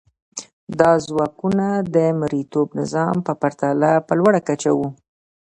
دا ځواکونه د مرئیتوب نظام په پرتله په لوړه کچه وو.